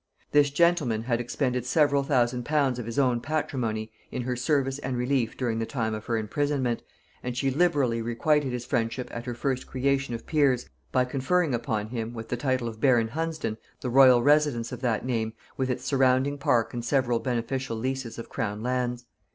This gentleman had expended several thousand pounds of his own patrimony in her service and relief during the time of her imprisonment, and she liberally requited his friendship at her first creation of peers, by conferring upon him, with the title of baron Hunsdon, the royal residence of that name, with its surrounding park and several beneficial leases of crown lands.